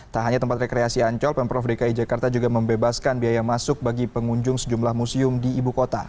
tak hanya tempat rekreasi ancol pemprov dki jakarta juga membebaskan biaya masuk bagi pengunjung sejumlah museum di ibu kota